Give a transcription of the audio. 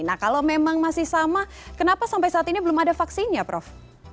nah kalau memang masih sama kenapa sampai saat ini belum ada vaksinnya prof